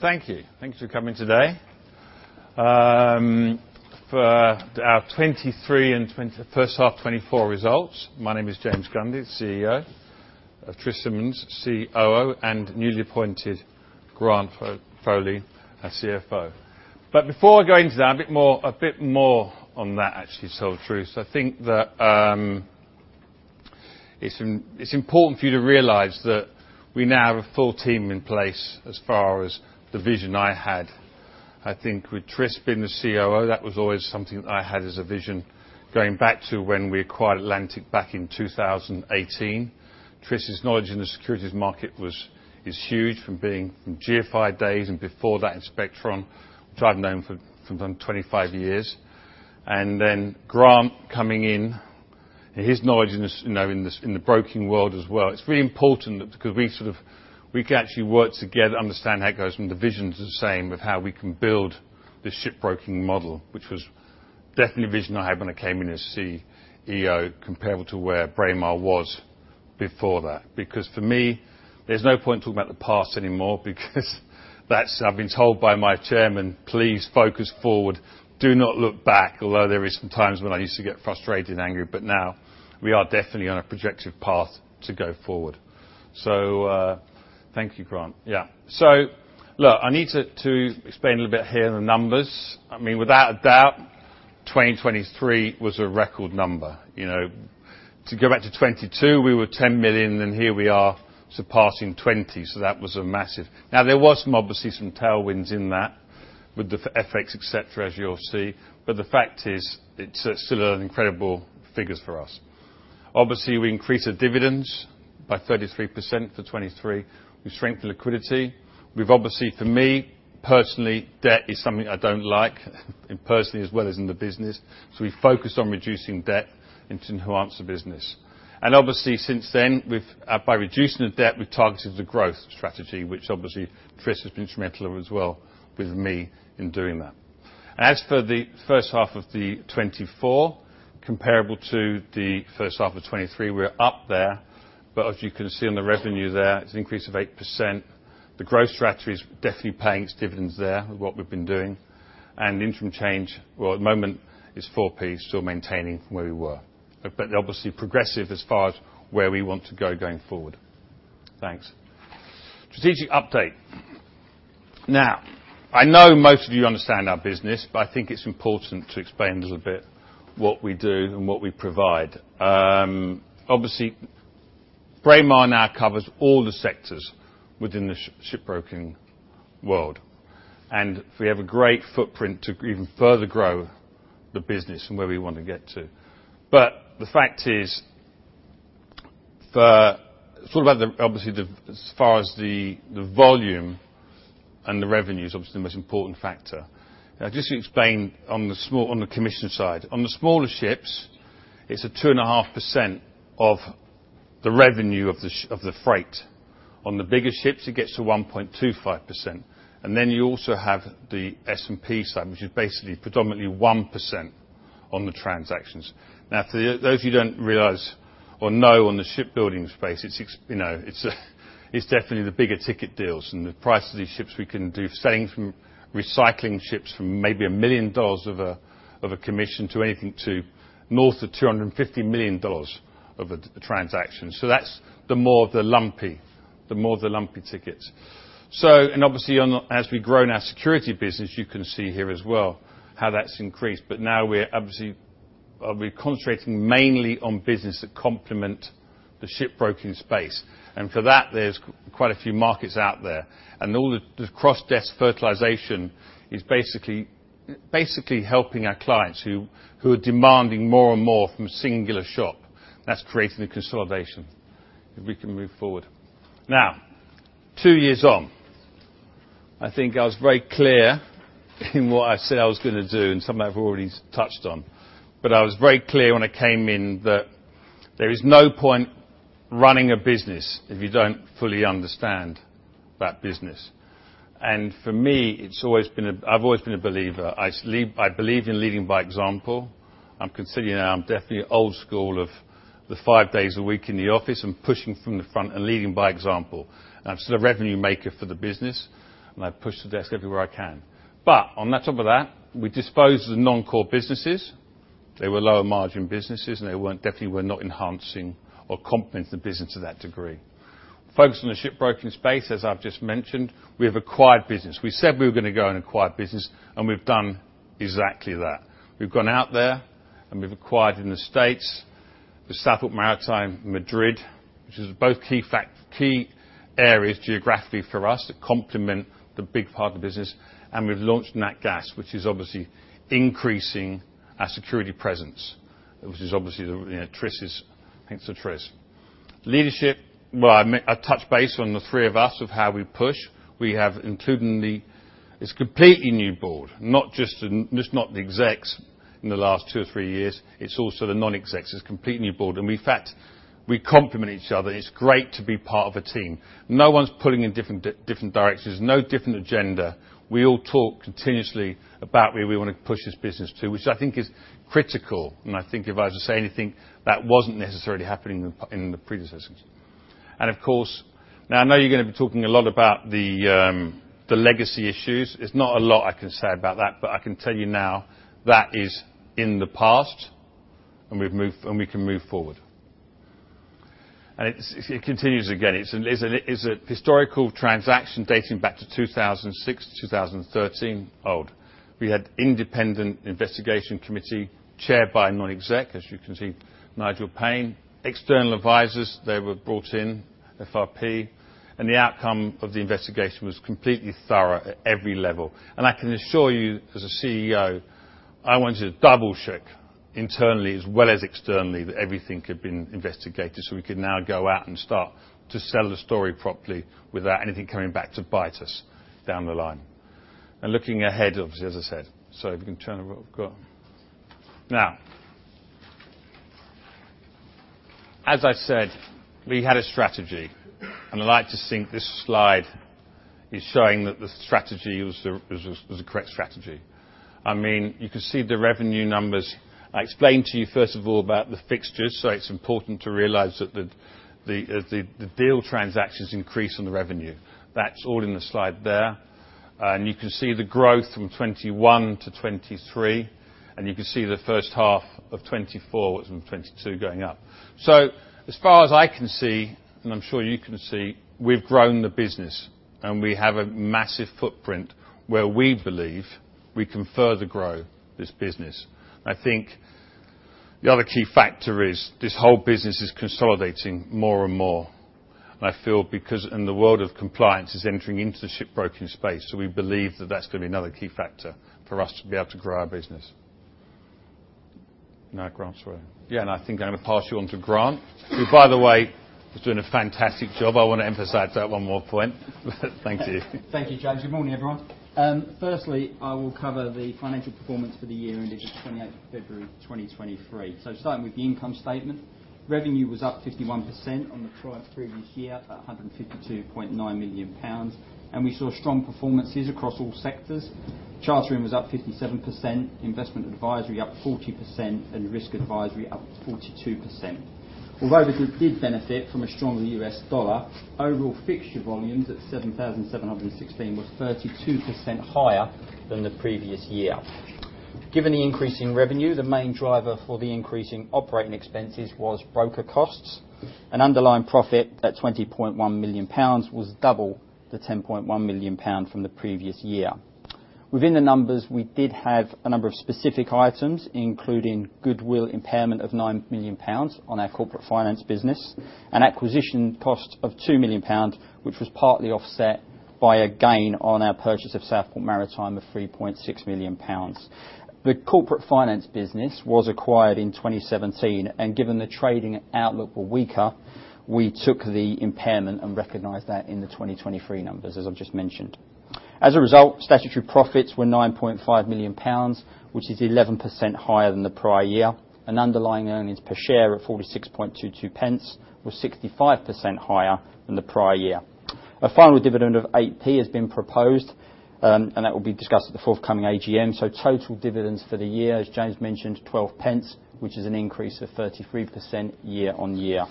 Thank you. Thank you for coming today, for our 2023 and first half 2024 results. My name is James Gundy, CEO. Tris Simmonds, COO, and newly appointed Grant Foley, our CFO. But before I go into that, a bit more, a bit more on that, actually, to tell the truth. I think that, it's, it's important for you to realize that we now have a full team in place as far as the vision I had. I think with Tris being the COO, that was always something that I had as a vision, going back to when we acquired Atlantic back in 2018. Tris' knowledge in the securities market is huge, from being from GFI days, and before that, in Spectron, which I've known him for, for 25 years. And then Grant coming in, and his knowledge in this, you know, in this- in the broking world as well. It's really important that because we sort of- we can actually work together, understand how it goes, when the vision's the same, of how we can build this shipbroking model, which was definitely a vision I had when I came in as CEO, comparable to where Braemar was before that. Because for me, there's no point talking about the past anymore, because that's... I've been told by my chairman, "Please focus forward. Do not look back." Although there is some times when I used to get frustrated and angry, but now we are definitely on a projective path to go forward. So, thank you, Grant. Yeah. So look, I need to explain a little bit here, the numbers. I mean, without a doubt, 2023 was a record number. You know, to go back to 2022, we were 10,000,000, and here we are surpassing 20,000,000, so that was a massive... Now, there was some, obviously some tailwinds in that, with the FX, et cetera, as you'll see, but the fact is, it's still an incredible figures for us. Obviously, we increased the dividends by 33% for 2023. We strengthened liquidity. We've obviously, for me, personally, debt is something I don't like, and personally, as well as in the business, so we focused on reducing debt and to enhance the business. And obviously, since then, we've, by reducing the debt, we've targeted the growth strategy, which obviously Tris has been instrumental in as well, with me in doing that. As for the first half of 2024, comparable to the first half of 2023, we're up there. As you can see on the revenue there, it's an increase of 8%. The growth strategy is definitely paying its dividends there, with what we've been doing. The interim dividend, well, at the moment, it's 4p, still maintaining from where we were. But obviously progressive as far as where we want to go going forward. Thanks. Strategic update. Now, I know most of you understand our business, but I think it's important to explain a little bit what we do and what we provide. Obviously, Braemar now covers all the sectors within the shipbroking world, and we have a great footprint to even further grow the business from where we want to get to. But the fact is, for... Sort of like, obviously, as far as the volume and the revenue is obviously the most important factor. Now, just to explain on the commission side. On the smaller ships, it's 2.5% of the revenue of the freight. On the bigger ships, it gets to 1.25%, and then you also have the S&P side, which is basically predominantly 1% on the transactions. Now, for those of you don't realize or know, on the shipbuilding space, you know, it's definitely the bigger ticket deals, and the price of these ships we can do, selling from recycling ships from maybe $1,000,000 of a commission to anything to north of $250,000,000 of a transaction. So that's the more lumpy the tickets. So, and obviously, as we've grown our securities business, you can see here as well how that's increased, but now we're obviously, we're concentrating mainly on business that complement the shipbroking space. And for that, there's quite a few markets out there. And all the cross-desk fertilization is basically helping our clients who are demanding more and more from a singular shop. That's creating the consolidation. If we can move forward. Now, two years on, I think I was very clear in what I said I was gonna do, and some I've already touched on. But I was very clear when I came in, that there is no point running a business if you don't fully understand that business. And for me, it's always been a... I've always been a believer. I believe in leading by example. I'm considering now, I'm definitely old school, of the five days a week in the office and pushing from the front and leading by example. And I'm still a revenue maker for the business, and I push the desk everywhere I can. But on top of that, we disposed of the non-core businesses. They were lower-margin businesses, and they definitely were not enhancing or complementing the business to that degree. Focus on the shipbroking space, as I've just mentioned, we have acquired business. We said we were gonna go and acquire business, and we've done exactly that. We've gone out there, and we've acquired in the States, the Southport Maritime, Madrid, which are both key areas geographically for us, that complement the big part of the business. We've launched Nat Gas, which is obviously increasing our securities presence, which is obviously the, you know, Tris's leadership. Well, I touched base on the three of us, of how we push. We have, including the... It's a completely new board, not just, just not the execs in the last two or three years, it's also the non-execs. It's a completely new board, and we, in fact, we complement each other. It's great to be part of a team. No one's pulling in different directions, no different agendas. We all talk continuously about where we want to push this business to, which I think is critical. And I think if I was to say anything, that wasn't necessarily happening in the previous systems. Of course, now I know you're going to be talking a lot about the legacy issues. There's not a lot I can say about that, but I can tell you now, that is in the past, and we've moved, and we can move forward. It's a historical transaction dating back to 2006-2013, old. We had an independent investigation committee, chaired by a non-exec, as you can see, Nigel Payne. External advisers, they were brought in, FRP, and the outcome of the investigation was completely thorough at every level. And I can assure you, as CEO, I wanted to double-check internally as well as externally, that everything had been investigated, so we could now go out and start to sell the story properly without anything coming back to bite us down the line. Looking ahead, obviously, as I said, so if you can turn over, go. Now, as I said, we had a strategy, and I'd like to think this slide is showing that the strategy was the correct strategy. I mean, you can see the revenue numbers. I explained to you, first of all, about the fixtures, so it's important to realize that the deal transactions increase on the revenue. That's all in the slide there. You can see the growth from 2021 to 2023, and you can see the first half of 2024 was from 2022 going up. So as far as I can see, and I'm sure you can see, we've grown the business, and we have a massive footprint where we believe we can further grow this business. I think the other key factor is, this whole business is consolidating more and more. I feel because in the world of compliance is entering into the shipbroking space, so we believe that that's going to be another key factor for us to be able to grow our business. Now, Grant's right. Yeah, and I think I'm going to pass you on to Grant, who, by the way, is doing a fantastic job. I want to emphasize that one more point. Thank you. Thank you, James. Good morning, everyone. Firstly, I will cover the financial performance for the year ended the 28th of February 2023. So starting with the income statement. Revenue was up 51% on the prior previous year, at 152,900,000 pounds, and we saw strong performances across all sectors. Chartering was up 57%, investment advisory up 40%, and risk advisory up 42%. Although we did benefit from a stronger US dollar, overall fixture volumes at 7,716 were 32% higher than the previous year. Given the increase in revenue, the main driver for the increase in operating expenses was broker costs, and underlying profit at 20,100,000 pounds was double the 10,100,000 pound from the previous year. Within the numbers, we did have a number of specific items, including goodwill impairment of 9,000,000 pounds on our corporate finance business, an acquisition cost of 2,000,000 pounds, which was partly offset by a gain on our purchase of Southport Maritime of 3,600,000 pounds. The corporate finance business was acquired in 2017, and given the trading outlook were weaker, we took the impairment and recognized that in the 2023 numbers, as I've just mentioned. As a result, statutory profits were 9,500,000 pounds, which is 11% higher than the prior year, and underlying earnings per share of 0.4622, was 65% higher than the prior year. A final dividend of 0.08 has been proposed, and that will be discussed at the forthcoming AGM. So total dividends for the year, as James mentioned, 0.12, which is an increase of 33% year-on-year.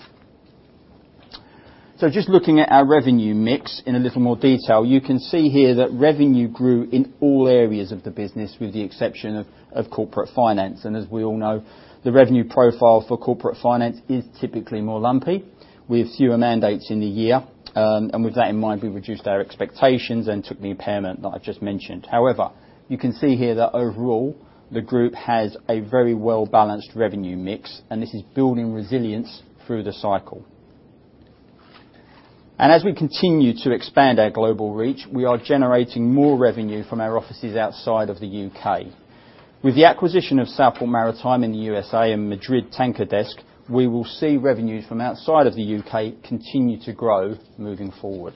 So just looking at our revenue mix in a little more detail, you can see here that revenue grew in all areas of the business, with the exception of corporate finance. And as we all know, the revenue profile for corporate finance is typically more lumpy, with fewer mandates in the year. With that in mind, we reduced our expectations and took the impairment that I've just mentioned. However, you can see here that overall, the group has a very well-balanced revenue mix, and this is building resilience through the cycle. And as we continue to expand our global reach, we are generating more revenue from our offices outside of the UK. With the acquisition of Southport Maritime in the U.S. and Madrid Tanker Desk, we will see revenues from outside of the U.K. continue to grow moving forward.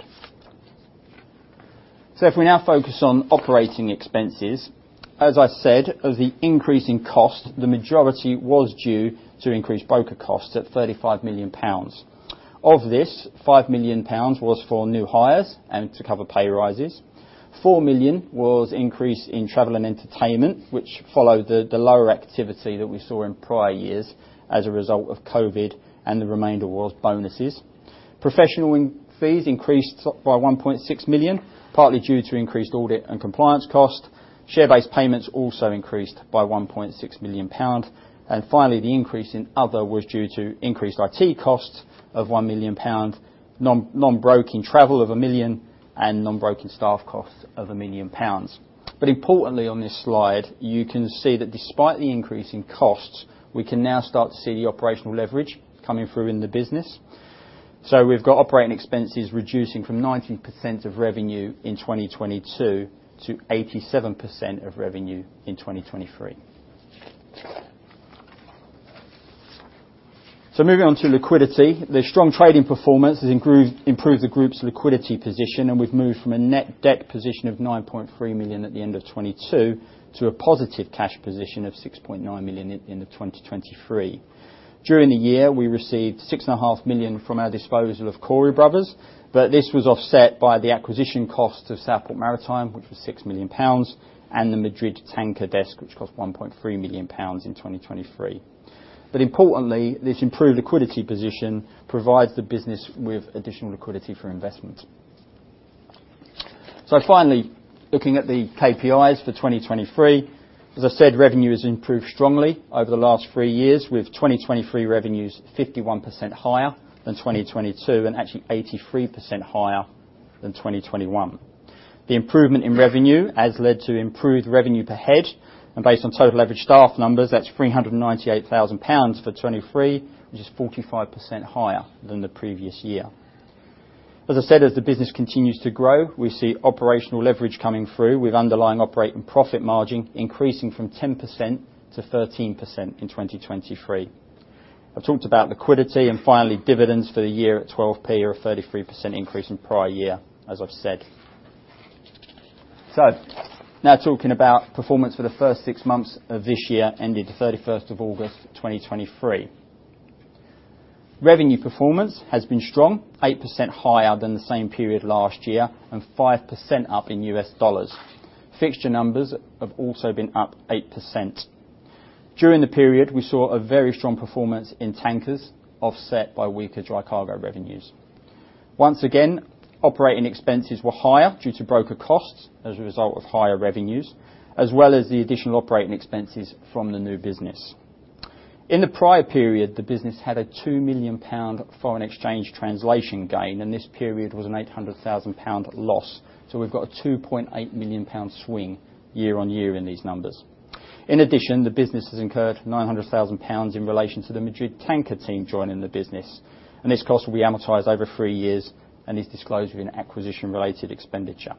So if we now focus on operating expenses, as I said, of the increase in cost, the majority was due to increased broker costs at 35,000,000 pounds. Of this, 5,000,000 pounds was for new hires and to cover pay rises. 4,000,000 was increase in travel and entertainment, which followed the lower activity that we saw in prior years as a result of COVID, and the remainder was bonuses. Professional fees increased by 1,600,000, partly due to increased audit and compliance costs. Share-based payments also increased by 1,600,000 pound. And finally, the increase in other was due to increased IT costs of 1,000,000 pound, non-broking travel of 1,000,000, and non-broking staff costs of 1,000,000 pounds. But importantly, on this slide, you can see that despite the increase in costs, we can now start to see the operational leverage coming through in the business. So we've got operating expenses reducing from 90% of revenue in 2022 to 87% of revenue in 2023. So moving on to liquidity. The strong trading performance has improved the group's liquidity position, and we've moved from a net debt position of 9,300,000 at the end of 2022, to a positive cash position of 6,900,000 in the 2023. During the year, we received 6,500,000 from our disposal of Cory Brothers, but this was offset by the acquisition cost of Southport Maritime, which was 6,000,000 pounds, and the Madrid tanker desk, which cost 1,300,000 pounds in 2023. But importantly, this improved liquidity position provides the business with additional liquidity for investment. So finally, looking at the KPIs for 2023, as I said, revenue has improved strongly over the last three years, with 2023 revenues 51% higher than 2022, and actually 83% higher than 2021. The improvement in revenue has led to improved revenue per head, and based on total average staff numbers, that's 398,000 pounds for 2023, which is 45% higher than the previous year. As I said, as the business continues to grow, we see operational leverage coming through, with underlying operating profit margin increasing from 10% to 13% in 2023. I talked about liquidity and finally, dividends for the year at GBP 12p are a 33% increase in prior year, as I've said. So now talking about performance for the first six months of this year, ending the 31st of August 2023. Revenue performance has been strong, 8% higher than the same period last year, and 5% up in U.S. dollars. Fixture numbers have also been up 8%. During the period, we saw a very strong performance in tankers, offset by weaker dry cargo revenues. Once again, operating expenses were higher due to broker costs as a result of higher revenues, as well as the additional operating expenses from the new business. In the prior period, the business had a 2,000,000 pound foreign exchange translation gain, and this period was a 800,000 pound loss, so we've got a 2,800,000 pound swing year on year in these numbers. In addition, the business has incurred 900,000 pounds in relation to the Madrid tanker team joining the business, and this cost will be amortized over three years and is disclosed in acquisition-related expenditure.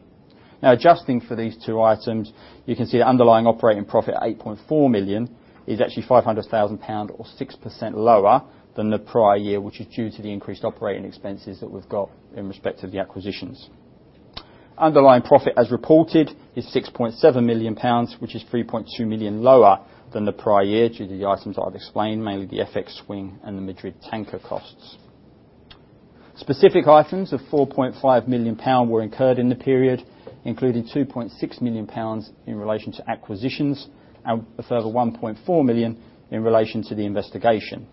Now, adjusting for these two items, you can see the underlying operating profit, 8,400,000, is actually 500,000 pounds, or 6% lower than the prior year, which is due to the increased operating expenses that we've got in respect of the acquisitions. Underlying profit, as reported, is 6,700,000 pounds, which is 3,200,000 lower than the prior year due to the items I've explained, mainly the FX swing and the Madrid tanker costs. Specific items of 4,500,000 pounds were incurred in the period, including 2,600,000 pounds in relation to acquisitions and a further 1,400,000 in relation to the investigation.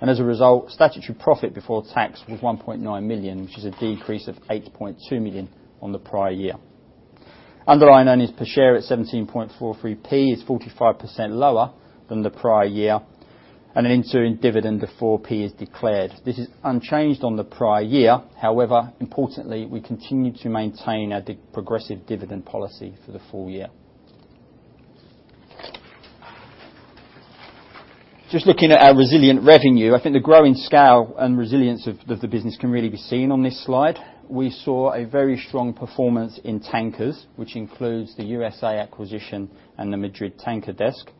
As a result, statutory profit before tax was 1,900,000, which is a decrease of 8,200,000 on the prior year. Underlying earnings per share at 17.43p is 45% lower than the prior year, and an interim dividend of 4p is declared. This is unchanged on the prior year. However, importantly, we continue to maintain our progressive dividend policy for the full year. Just looking at our resilient revenue, I think the growing scale and resilience of the business can really be seen on this slide. We saw a very strong performance in tankers, which includes the USA acquisition and the Madrid tanker desk,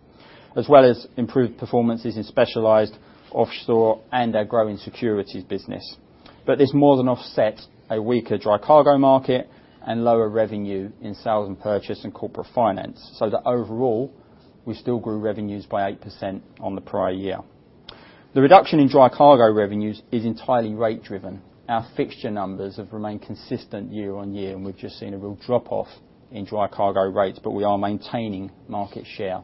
as well as improved performances in specialized offshore and our growing securities business. But this more than offset a weaker dry cargo market and lower revenue in sales and purchase and corporate finance, so that overall, we still grew revenues by 8% on the prior year. The reduction in dry cargo revenues is entirely rate driven. Our fixture numbers have remained consistent year-on-year, and we've just seen a real drop-off in dry cargo rates, but we are maintaining market share.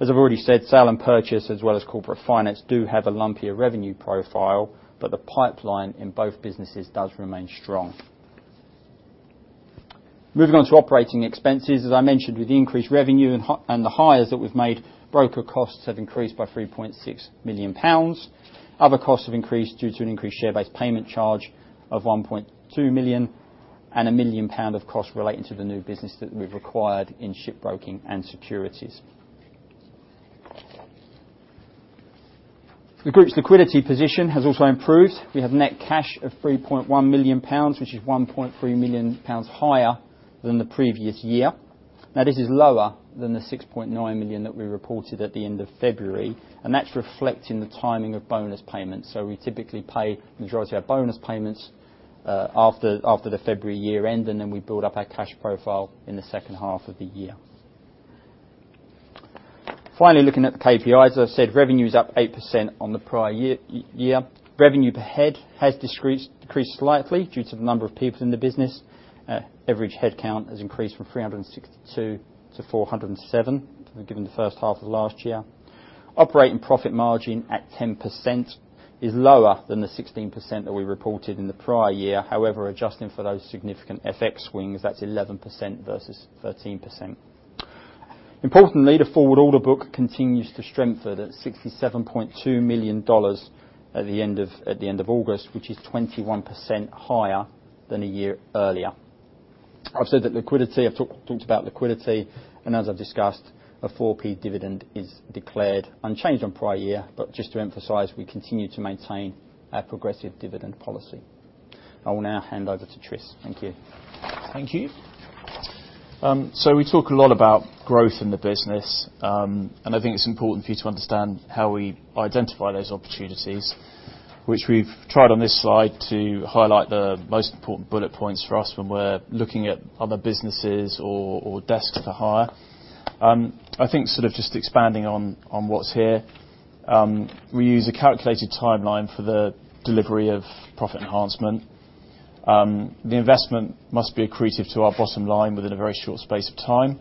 As I've already said, sale and purchase, as well as corporate finance, do have a lumpier revenue profile, but the pipeline in both businesses does remain strong. Moving on to operating expenses, as I mentioned, with the increased revenue and the hires that we've made, broker costs have increased by 3,600,000 pounds. Other costs have increased due to an increased share base payment charge of 1,200,000, and 1,000,000 pound of cost relating to the new business that we've acquired in shipbroking and securities. The group's liquidity position has also improved. We have net cash of GBP 3.,100,000, which is 1,300,000 pounds higher than the previous year. Now, this is lower than the 6,900,000 that we reported at the end of February, and that's reflecting the timing of bonus payments. So we typically pay majority of our bonus payments after the February year end, and then we build up our cash profile in the second half of the year. Finally, looking at the KPIs, as I've said, revenue is up 8% on the prior year. Revenue per head has decreased slightly due to the number of people in the business. Average headcount has increased from 362 to 407, given the first half of last year. Operating profit margin at 10% is lower than the 16% that we reported in the prior year. However, adjusting for those significant FX swings, that's 11% versus 13%. Importantly, the forward order book continues to strengthen at $67,200,000 at the end of, at the end of August, which is 21% higher than a year earlier. I've said that liquidity... I've talked about liquidity, and as I've discussed, a 4p dividend is declared unchanged on prior year, but just to emphasize, we continue to maintain our progressive dividend policy. I will now hand over to Tris. Thank you. Thank you. So we talk a lot about growth in the business, and I think it's important for you to understand how we identify those opportunities, which we've tried on this slide to highlight the most important bullet points for us when we're looking at other businesses or, or desks to hire. I think sort of just expanding on, on what's here, we use a calculated timeline for the delivery of profit enhancement. The investment must be accretive to our bottom line within a very short space of time.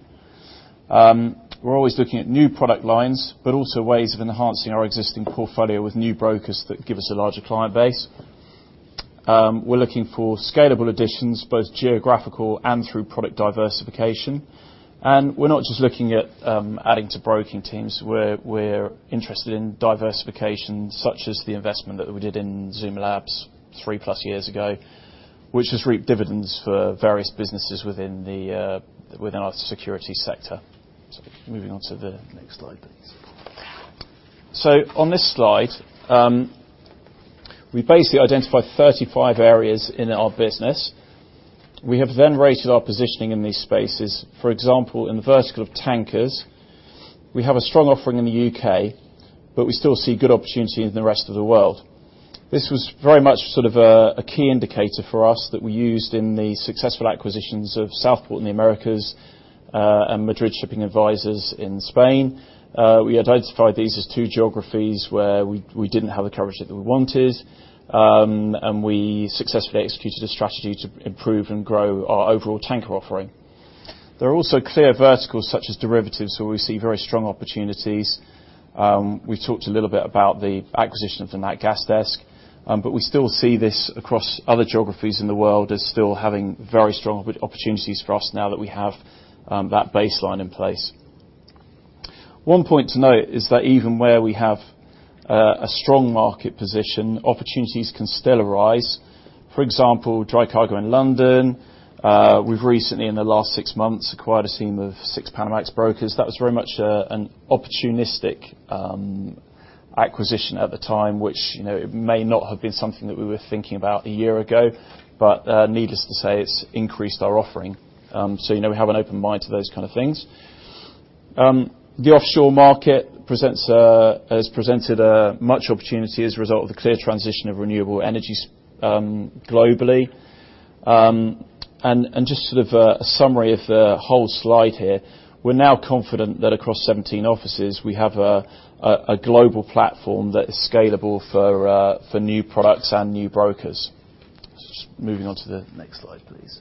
We're always looking at new product lines, but also ways of enhancing our existing portfolio with new brokers that give us a larger client base. We're looking for scalable additions, both geographical and through product diversification. We're not just looking at adding to broking teams, we're interested in diversification, such as the investment that we did in Zuma Labs three-plus years ago, which has reaped dividends for various businesses within the within our security sector. Moving on to the next slide, please. On this slide, we basically identified 35 areas in our business. We have then rated our positioning in these spaces. For example, in the vertical of tankers, we have a strong offering in the UK, but we still see good opportunity in the rest of the world. This was very much sort of a key indicator for us that we used in the successful acquisitions of Southport in the Americas and Madrid Shipping Advisors in Spain. We identified these as two geographies where we didn't have the coverage that we wanted, and we successfully executed a strategy to improve and grow our overall tanker offering. There are also clear verticals, such as derivatives, where we see very strong opportunities. We've talked a little bit about the acquisition of the Nat Gas desk, but we still see this across other geographies in the world as still having very strong opportunities for us now that we have that baseline in place. One point to note is that even where we have a strong market position, opportunities can still arise. For example, dry cargo in London, we've recently, in the last six months, acquired a team of six Panamax brokers. That was very much an opportunistic acquisition at the time, which, you know, it may not have been something that we were thinking about a year ago, but needless to say, it's increased our offering. So you know, we have an open mind to those kind of things. The offshore market has presented much opportunity as a result of the clear transition of renewable energies globally. And just sort of a summary of the whole slide here, we're now confident that across 17 offices, we have a global platform that is scalable for new products and new brokers. Just moving on to the next slide, please.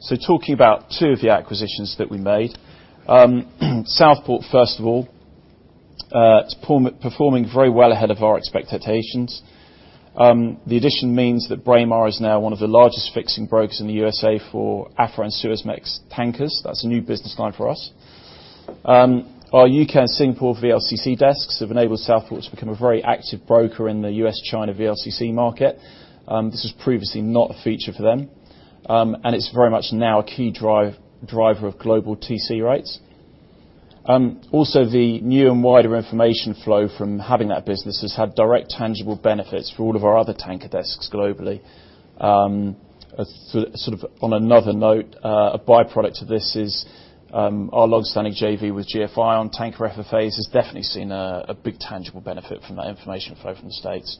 So talking about two of the acquisitions that we made. Southport, first of all, it's performing very well ahead of our expectations. The addition means that Braemar is now one of the largest fixing brokers in the U.S. for Afra and Suezmax tankers. That's a new business line for us. Our U.K. and Singapore VLCC desks have enabled Southport to become a very active broker in the U.S., China VLCC market. This was previously not a feature for them. And it's very much now a key driver of global TC rates. Also, the new and wider information flow from having that business has had direct, tangible benefits for all of our other tanker desks globally. Sort of, on another note, a by-product of this is, our long-standing JV with GFI on tanker FFAs has definitely seen a big tangible benefit from that information flow from the States.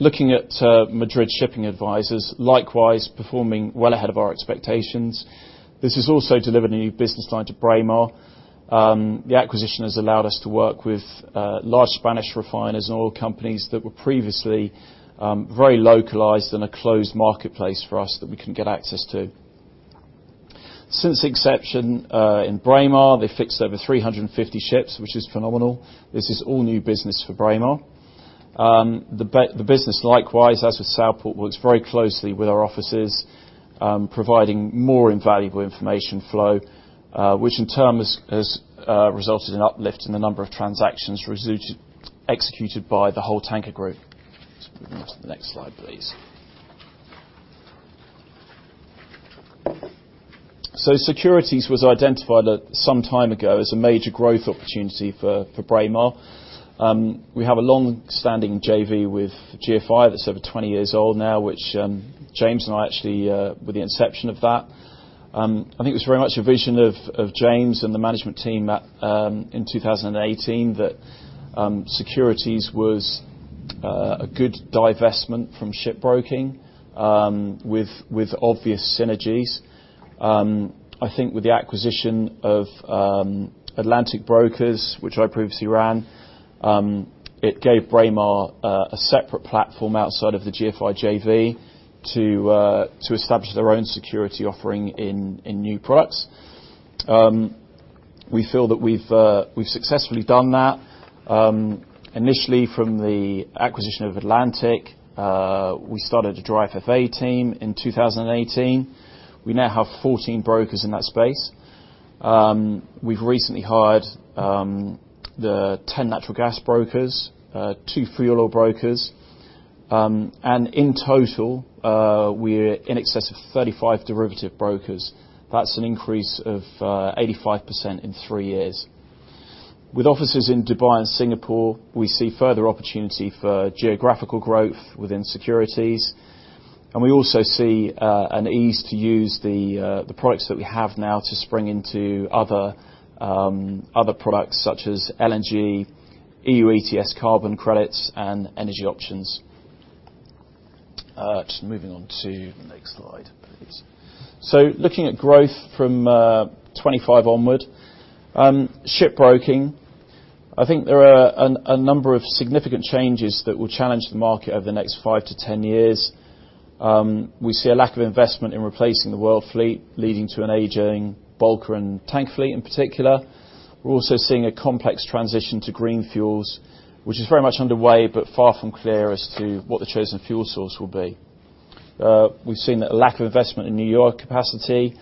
Looking at Madrid Shipping Advisors, likewise performing well ahead of our expectations. This has also delivered a new business line to Braemar. The acquisition has allowed us to work with large Spanish refiners and oil companies that were previously very localized in a closed marketplace for us that we couldn't get access to. Since inception in Braemar, they fixed over 350 ships, which is phenomenal. This is all new business for Braemar. The business, likewise, as with Southport, works very closely with our offices, providing more invaluable information flow, which in turn has resulted in uplift in the number of transactions executed by the whole tanker group. Just moving on to the next slide, please. So securities was identified some time ago as a major growth opportunity for Braemar. We have a long-standing JV with GFI that's over 20 years old now, which, James and I actually, were the inception of that. I think it was very much a vision of, of James and the management team that, in 2018, that, securities was, a good divestment from shipbroking, with, with obvious synergies. I think with the acquisition of, Atlantic Brokers, which I previously ran, it gave Braemar, a separate platform outside of the GFI JV to, to establish their own security offering in, in new products. We feel that we've, we've successfully done that. Initially, from the acquisition of Atlantic, we started a dry FFA team in 2018. We now have 14 brokers in that space. We've recently hired the 10 natural gas brokers, two fuel oil brokers, and in total, we're in excess of 35 derivative brokers. That's an increase of 85% in 3 years. With offices in Dubai and Singapore, we see further opportunity for geographical growth within securities, and we also see an ease to use the products that we have now to spring into other products, such as LNG, EU ETS carbon credits, and energy options. Just moving on to the next slide, please. So looking at growth from 2025 onward, shipbroking, I think there are a number of significant changes that will challenge the market over the next five to 10 years. We see a lack of investment in replacing the world fleet, leading to an aging bulker and tank fleet in particular. We're also seeing a complex transition to green fuels, which is very much underway, but far from clear as to what the chosen fuel source will be. We've seen that a lack of investment in New York capacity,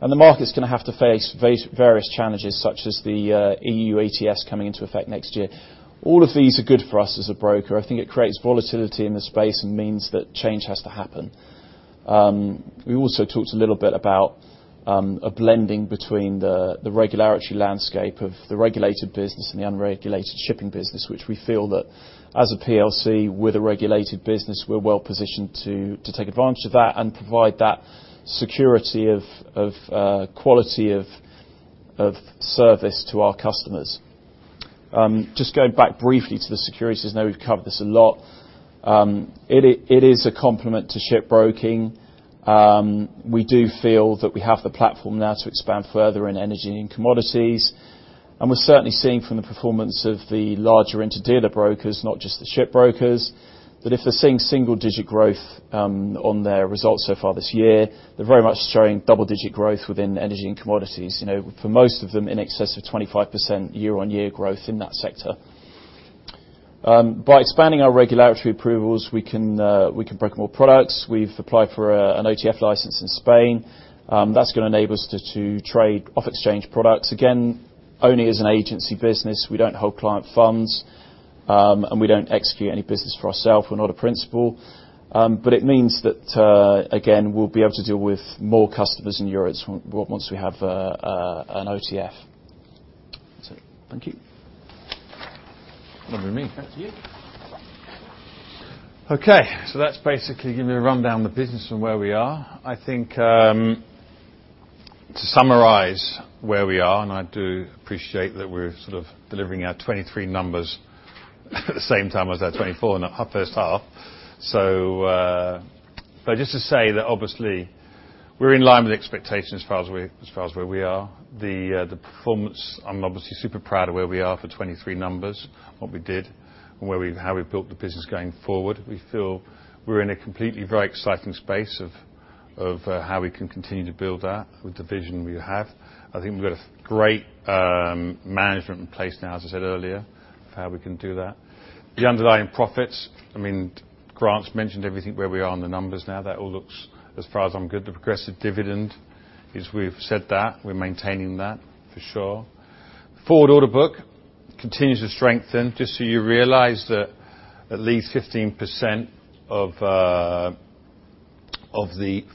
and the market is gonna have to face various challenges, such as the EU ETS coming into effect next year. All of these are good for us as a broker. I think it creates volatility in the space and means that change has to happen. We also talked a little bit about a blending between the regulatory landscape of the regulated business and the unregulated shipping business, which we feel that as a PLC with a regulated business, we're well positioned to take advantage of that and provide that security of quality of service to our customers. Just going back briefly to the securities. I know we've covered this a lot. It is a complement to shipbroking. We do feel that we have the platform now to expand further in energy and commodities, and we're certainly seeing from the performance of the larger interdealer brokers, not just the shipbrokers, that if they're seeing single-digit growth on their results so far this year, they're very much showing double-digit growth within energy and commodities. You know, for most of them, in excess of 25% year-over-year growth in that sector. By expanding our regulatory approvals, we can broker more products. We've applied for an OTF license in Spain. That's gonna enable us to trade off-exchange products. Again, only as an agency business. We don't hold client funds, and we don't execute any business for ourself. We're not a principal. But it means that, again, we'll be able to deal with more customers in Europe once we have an OTF. So thank you. Over to me. Thank you. Okay, so that's basically giving you a rundown of the business and where we are. I think, to summarize where we are, and I do appreciate that we're sort of delivering our 2023 numbers at the same time as our 2024 and our first half. So, but just to say that, obviously, we're in line with expectations as far as we, as far as where we are. The, the performance, I'm obviously super proud of where we are for 2023 numbers, what we did, and where we've-- how we've built the business going forward. We feel we're in a completely very exciting space of, of, how we can continue to build that with the vision we have. I think we've got a great, management in place now, as I said earlier, we can do that. The underlying profits, I mean, Grant's mentioned everything where we are on the numbers now. That all looks as far as I'm good. The progressive dividend is, we've said that. We're maintaining that, for sure. Forward order book continues to strengthen. Just so you realize that at least 15% of the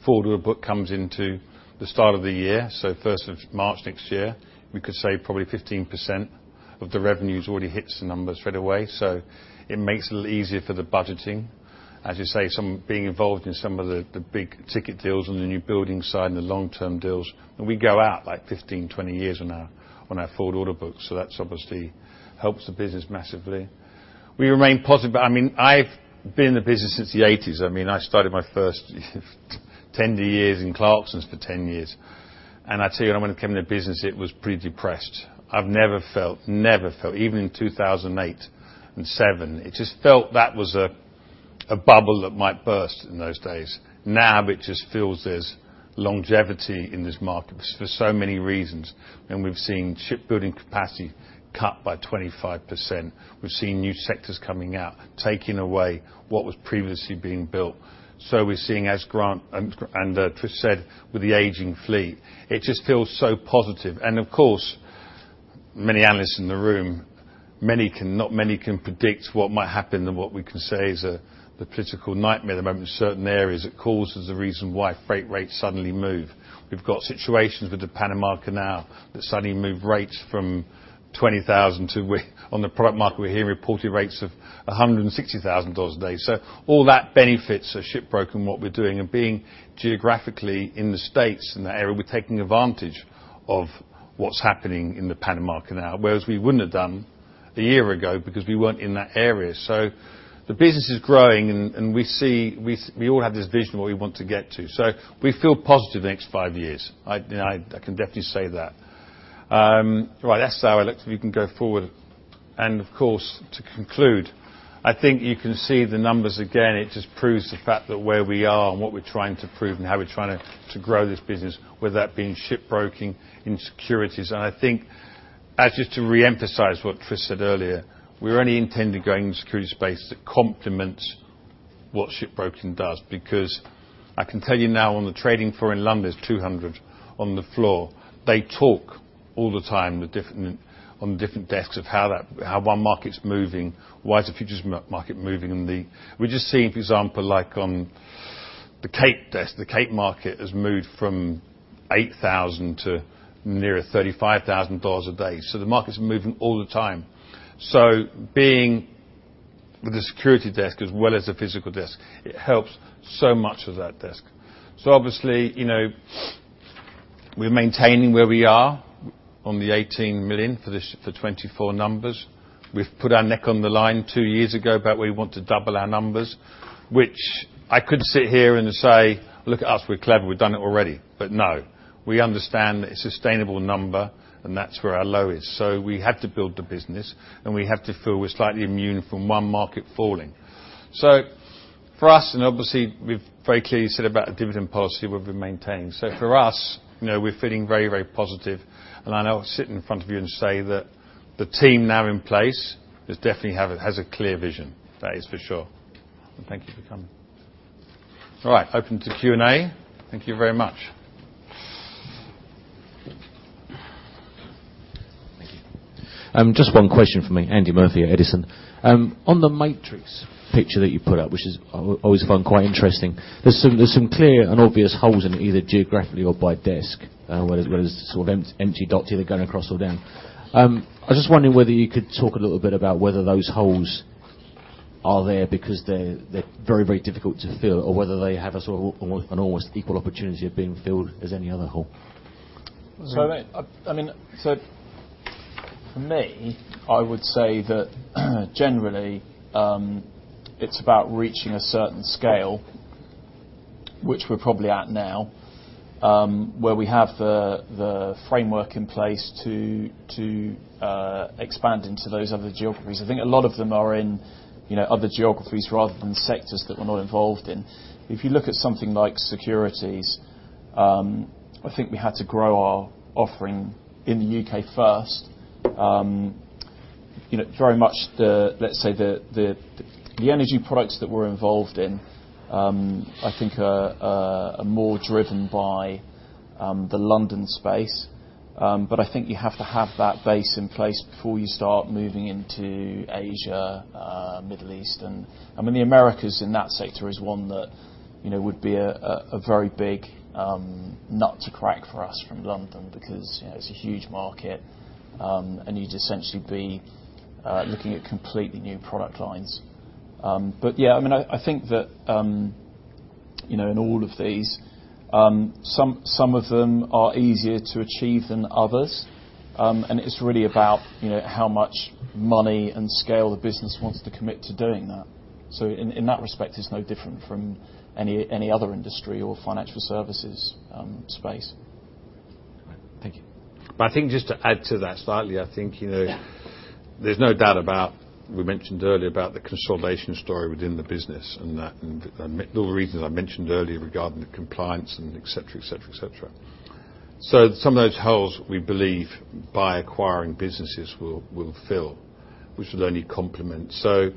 forward order book comes into the start of the year, so first of March next year. We could say probably 15% of the revenues already hits the numbers right away, so it makes it a little easier for the budgeting. As you say, some being involved in some of the big-ticket deals on the new building side and the long-term deals, and we go out, like, 15, 20 years on our forward order book, so that's obviously helps the business massively. We remain positive, but I mean, I've been in the business since the '80s. I mean, I started my first ten years in Clarksons for 10 years, and I tell you, when I came into the business, it was pretty depressed. I've never felt, even in 2008 and 2007, it just felt that was a bubble that might burst in those days. Now, it just feels there's longevity in this market for so many reasons, and we've seen shipbuilding capacity cut by 25%. We've seen new sectors coming out, taking away what was previously being built. So we're seeing, as Grant and Tris said, with the aging fleet, it just feels so positive. Of course, many analysts in the room. Not many can predict what might happen, and what we can say is the political nightmare at the moment in certain areas. It causes the reason why freight rates suddenly move. We've got situations with the Panama Canal that suddenly move rates from $20,000 to where, on the product market, we're hearing reported rates of $160,000 a day. So all that benefits our shipbroking, what we're doing, and being geographically in the States and the area, we're taking advantage of what's happening in the Panama Canal, whereas we wouldn't have done a year ago because we weren't in that area. So the business is growing, and we see... We all have this vision of what we want to get to. So we feel positive the next five years. I can definitely say that. Right, that's how I look. We can go forward. Of course, to conclude, I think you can see the numbers again, it just proves the fact that where we are and what we're trying to prove and how we're trying to grow this business, whether that being shipbroking, in securities. And I think, as just to reemphasize what Tris said earlier, we only intend to go in the security space to complement what shipbroking does, because I can tell you now, on the trading floor in London, there's 200 on the floor. They talk all the time, on the different desks of how one market's moving, why is the futures market moving? We're just seeing, for example, like on-... The Cape desk, the Cape market has moved from $8,000 to nearer $35,000 a day. So the market's moving all the time. So being with a securities desk as well as a physical desk, it helps so much of that desk. So obviously, you know, we're maintaining where we are on the $18,000,000 for this, for 2024 numbers. We've put our neck on the line two years ago about we want to double our numbers, which I could sit here and say: "Look at us, we're clever, we've done it already." But no, we understand that it's a sustainable number, and that's where our low is. So we had to build the business, and we have to feel we're slightly immune from one market falling. So for us, and obviously, we've very clearly said about the dividend policy we've been maintaining. So for us, you know, we're feeling very, very positive. And I know I'll sit in front of you and say that the team now in place is definitely has a clear vision. That is for sure. Thank you for coming. All right, open to Q&A. Thank you very much. Thank you. Just one question from me, Andy Murphy at Edison. On the matrix picture that you put up, which I always found quite interesting, there's some clear and obvious holes in either geographically or by desk, where there's sort of empty dots either going across or down. I was just wondering whether you could talk a little bit about whether those holes are there because they're very, very difficult to fill, or whether they have a sort of an almost equal opportunity of being filled as any other hole? So for me, I mean, it's about reaching a certain scale, which we're probably at now, where we have the framework in place to expand into those other geographies. I think a lot of them are in, you know, other geographies rather than sectors that we're not involved in. If you look at something like securities, I think we had to grow our offering in the UK first. Very much the... Let's say, the energy products that we're involved in, I think are more driven by the London space. But I think you have to have that base in place before you start moving into Asia, Middle East. And I mean, the Americas in that sector is one that, you know, would be a very big nut to crack for us from London because, you know, it's a huge market. And you'd essentially be looking at completely new product lines. But yeah, I mean, I think that, you know, in all of these, some of them are easier to achieve than others. And it's really about, you know, how much money and scale the business wants to commit to doing that. So in that respect, it's no different from any other industry or financial services space. Thank you. But I think just to add to that slightly, I think, you know... Yeah... there's no doubt about, we mentioned earlier about the consolidation story within the business, and that, and, and all the reasons I mentioned earlier regarding the compliance and et cetera, et cetera, et cetera. So some of those holes, we believe, by acquiring businesses, will, will fill, which would only complement. So,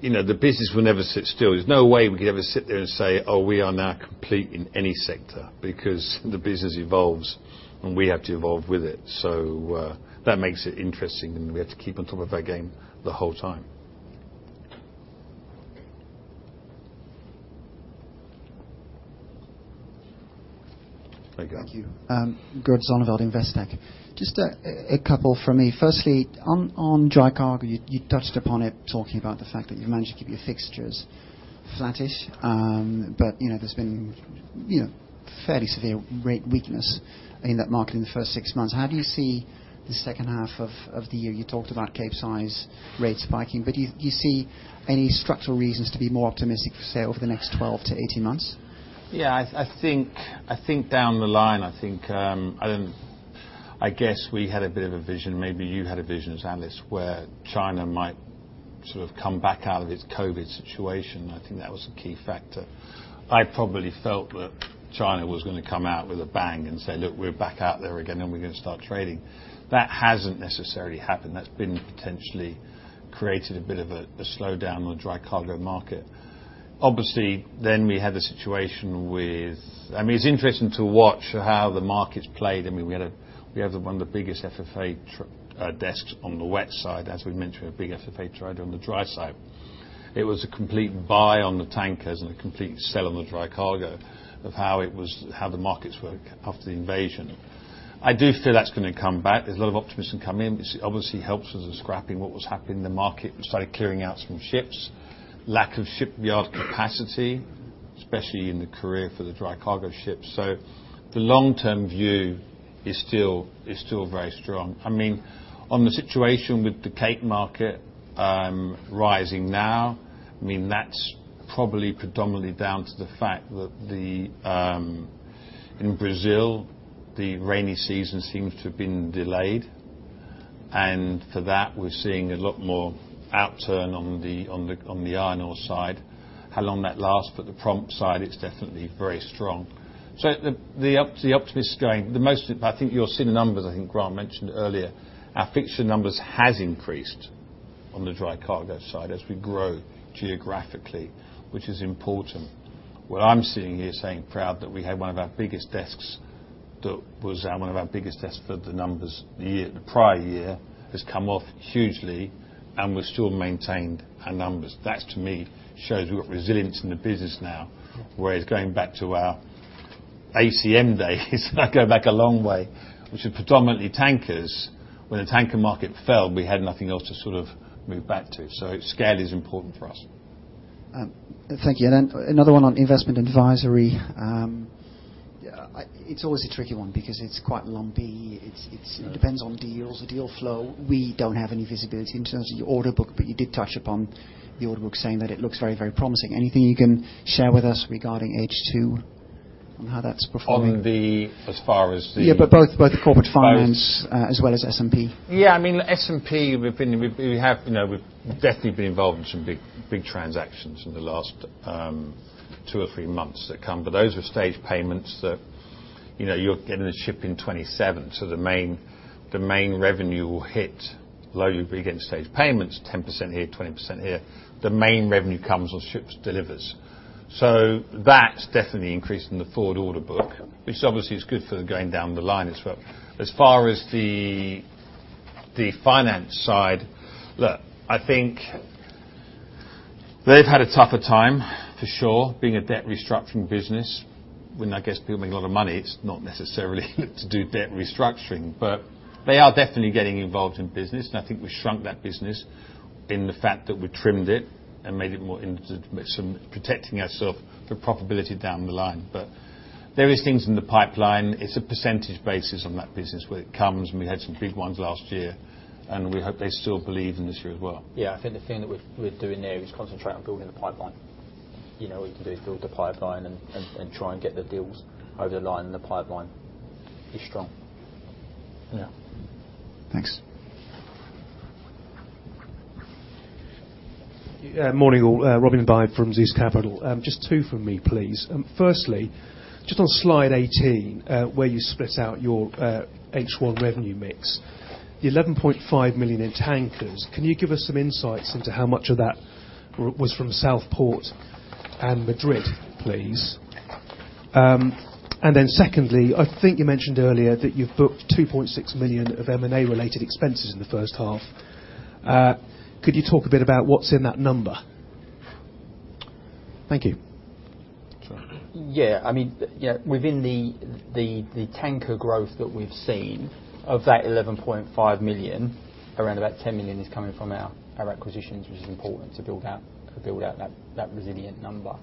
you know, the business will never sit still. There's no way we could ever sit there and say, "Oh, we are now complete in any sector," because the business evolves, and we have to evolve with it. So, that makes it interesting, and we have to keep on top of our game the whole time. There you go. Thank you. Gert Zonneveld, Investec. Just a couple from me. Firstly, on dry cargo, you touched upon it, talking about the fact that you managed to keep your fixtures flattish. But, you know, there's been, you know, fairly severe rate weakness in that market in the first six months. How do you see the second half of the year? You talked about Capesize rates spiking, but do you see any structural reasons to be more optimistic, say, over the next 12-18 months? Yeah, I think down the line, I think, I guess we had a bit of a vision, maybe you had a vision as analysts, where China might sort of come back out of its COVID situation. I think that was a key factor. I probably felt that China was gonna come out with a bang and say, "Look, we're back out there again, and we're going to start trading." That hasn't necessarily happened. That's been potentially created a bit of a slowdown on dry cargo market. Obviously, then we had the situation with... I mean, it's interesting to watch how the markets played. I mean, we have one of the biggest FFA desks on the wet side, as we mentioned, a big FFA trader on the dry side. It was a complete buy on the tankers and a complete sell on the dry cargo, of how the markets work after the invasion. I do feel that's going to come back. There's a lot of optimism coming in, which obviously helps us with scrapping what was happening. The market started clearing out some ships, lack of shipyard capacity, especially in Korea for the dry cargo ships. So the long-term view is still very strong. I mean, on the situation with the Cape market, rising now, I mean, that's probably predominantly down to the fact that in Brazil, the rainy season seems to have been delayed, and for that, we're seeing a lot more upturn on the iron ore side. How long that lasts, but the prompt side, it's definitely very strong. So the most optimistic, I think you'll see the numbers, I think Grant mentioned earlier. Our fixture numbers has increased on the dry cargo side as we grow geographically, which is important. Where I'm sitting here saying proud that we had one of our biggest desks that was one of our biggest tests for the numbers. The year, the prior year has come off hugely, and we've still maintained our numbers. That, to me, shows we've got resilience in the business now, whereas going back to our ACM days, and I go back a long way, which is predominantly tankers. When the tanker market fell, we had nothing else to sort of move back to, so scale is important for us. Thank you. And then another one on investment advisory. Yeah, it's always a tricky one because it's quite lumpy. It's- Yeah... depends on deals, the deal flow. We don't have any visibility in terms of your order book, but you did touch upon the order book, saying that it looks very, very promising. Anything you can share with us regarding H2 on how that's performing? On the, as far as the- Yeah, but both the corporate finance- Both as well as S&P. Yeah, I mean, S&P, we've been, we have, you know, we've definitely been involved in some big, big transactions in the last, 2 or 3 months that come. But those are staged payments that, you know, you're getting a ship in 2027, so the main revenue will hit, although you'll be getting staged payments, 10% here, 20% here, the main revenue comes when ships delivers. So that's definitely increased in the forward order book, which obviously is good for going down the line as well. As far as the finance side, look, I think they've had a tougher time, for sure, being a debt restructuring business. When, I guess, people make a lot of money, it's not necessarily to do debt restructuring. But they are definitely getting involved in business, and I think we shrunk that business in the fact that we trimmed it and made it more into some... protecting ourselves for profitability down the line. But there are things in the pipeline. It's a percentage basis on that business where it comes, and we had some big ones last year, and we hope they still believe in this year as well. Yeah, I think the thing that we're doing there is concentrate on building the pipeline. You know, all we can do is build the pipeline and try and get the deals over the line, and the pipeline is strong. Yeah. Thanks. Morning, all. Robin Byde from Zeus Capital. Just two from me, please. Firstly, just on slide 18, where you split out your H1 revenue mix. The 11,500,000 in tankers, can you give us some insights into how much of that was from Southport and Madrid, please? And then secondly, I think you mentioned earlier that you've booked 2,600,000 of M&A-related expenses in the first half. Could you talk a bit about what's in that number? Thank you. Sure. Yeah, I mean, yeah, within the tanker growth that we've seen, of that $11,500,000, around $10,000,000 is coming from our acquisitions, which is important to build out that resilient number.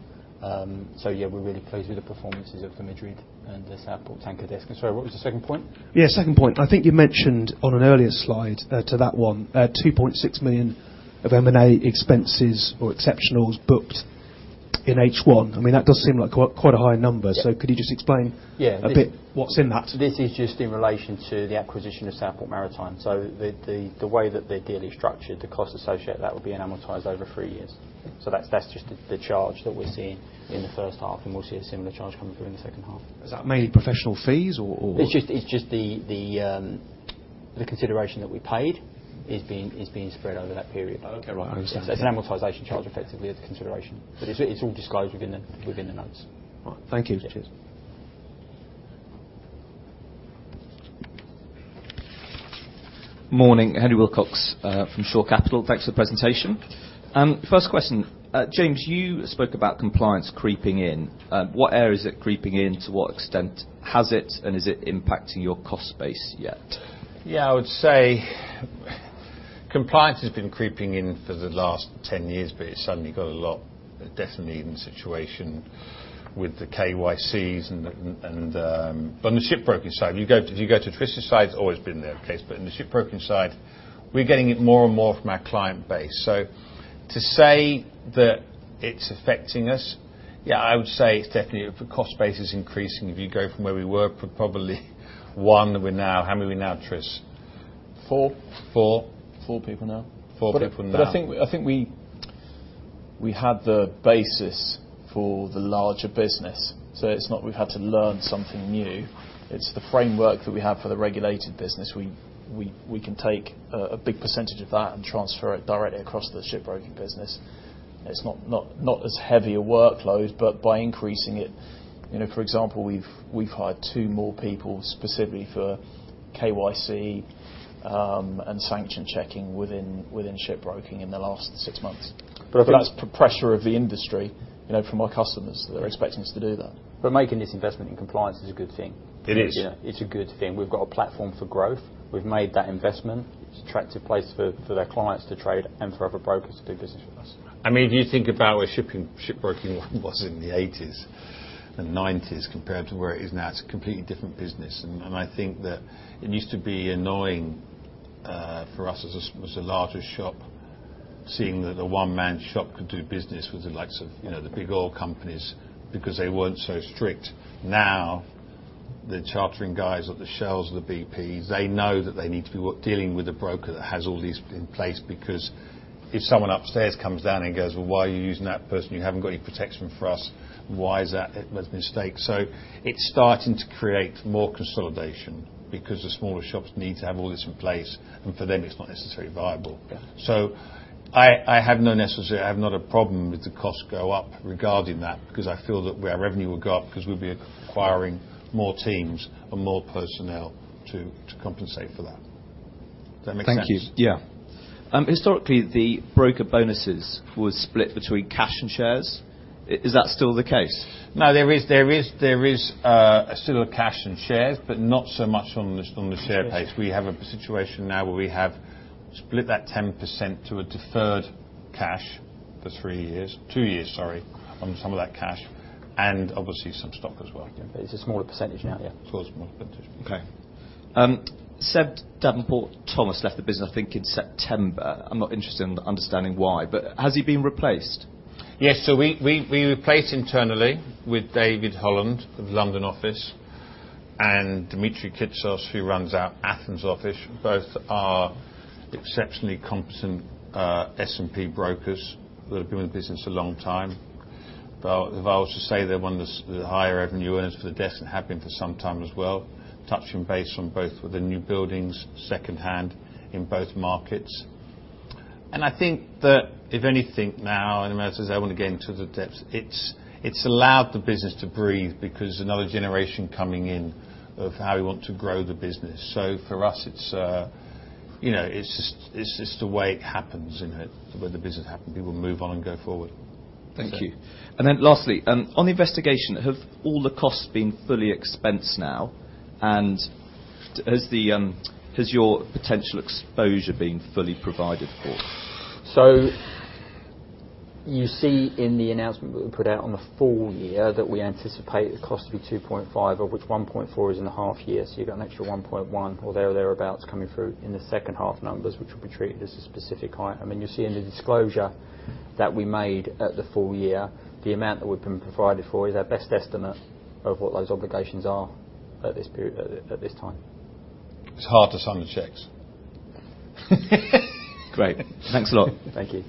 So yeah, we're really pleased with the performances of the Madrid and the Southport tanker desk. I'm sorry, what was the second point? Yeah, second point. I think you mentioned on an earlier slide, to that one, 2,600,000 of M&A expenses or exceptionals booked in H1. I mean, that does seem like quite, quite a high number. Yeah. Could you just explain- Yeah, this- a bit, what's in that? This is just in relation to the acquisition of Southport Maritime. So the way that the deal is structured, the cost associated with that would be amortized over three years. So that's just the charge that we're seeing in the first half, and we'll see a similar charge coming through in the second half. Is that mainly professional fees or? It's just the consideration that we paid is being spread over that period. Okay, right. I understand. It's an amortization charge, effectively, at the consideration. But it's all disclosed within the notes. All right. Thank you. Cheers. Morning, Henry Willcocks, from Shore Capital. Thanks for the presentation. First question, James, you spoke about compliance creeping in. What area is it creeping in? To what extent has it, and is it impacting your cost base yet? Yeah, I would say compliance has been creeping in for the last 10 years, but it's suddenly got a lot, definitely in the situation with the KYCs and the, and... On the shipbroking side, if you go, if you go to Tris' side, it's always been the case, but in the shipbroking side, we're getting it more and more from our client base. So to say that it's affecting us, yeah, I would say it's definitely, the cost base is increasing. If you go from where we were, probably 1, we're now... How many are we now, Tris? Four. Four. Four people now. Four people now. But I think we had the basis for the larger business, so it's not we've had to learn something new. It's the framework that we have for the regulated business. We can take a big percentage of that and transfer it directly across the shipbroking business. It's not as heavy a workload, but by increasing it. You know, for example, we've hired two more people specifically for KYC and sanction checking within shipbroking in the last six months. But- But that's pressure of the industry, you know, from our customers. They're expecting us to do that. But making this investment in compliance is a good thing. It is. Yeah, it's a good thing. We've got a platform for growth. We've made that investment. It's an attractive place for, for their clients to trade and for other brokers to do business with us. I mean, if you think about where shipping, shipbroking was in the eighties and nineties compared to where it is now, it's a completely different business. I think that it used to be annoying for us as a larger shop, seeing that a one-man shop could do business with the likes of, you know, the big oil companies because they weren't so strict. Now, the chartering guys at the Shells, the BPs, they know that they need to be dealing with a broker that has all this in place, because if someone upstairs comes down and goes, "Well, why are you using that person? You haven't got any protection for us. Why is that?" It was a mistake. So it's starting to create more consolidation because the smaller shops need to have all this in place, and for them, it's not necessarily viable. Yeah. So, I have no problem with the costs go up regarding that, because I feel that our revenue will go up because we'll be acquiring more teams and more personnel to compensate for that.... Thank you. Yeah. Historically, the broker bonuses was split between cash and shares. Is that still the case? No, there is still a cash and shares, but not so much on the share base. We have a situation now where we have split that 10% to a deferred cash for three years-two years, sorry, on some of that cash, and obviously, some stock as well. It's a smaller percentage now, yeah? It's a smaller percentage. Okay. Seb Davenport-Thomas left the business, I think, in September. I'm not interested in understanding why, but has he been replaced? Yes, so we replaced internally with David Holland of the London office and Dimitri Kitsos, who runs our Athens office. Both are exceptionally competent S&P brokers that have been in the business a long time. But if I was to say they're one of the higher revenue earners for the desk and have been for some time as well, touching base on both with the newbuildings, second-hand in both markets. And I think that if anything now, and as I want to get into the depths, it's allowed the business to breathe because another generation coming in of how we want to grow the business. So for us, it's, you know, it's just the way it happens, isn't it? The way the business happens, people move on and go forward. Thank you. And then lastly, on the investigation, have all the costs been fully expensed now? And has your potential exposure been fully provided for? So you see in the announcement that we put out on the full year that we anticipate the cost to be 2.5, of which 1.4 is in the half year. So you've got an extra 1.1, or there or thereabouts, coming through in the second half numbers, which will be treated as a specific item. And you see in the disclosure that we made at the full year, the amount that we've been provided for is our best estimate of what those obligations are at this period, at this time. It's hard to sign the checks. Great. Thanks a lot. Thank you.